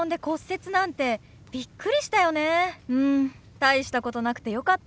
大したことなくてよかったね。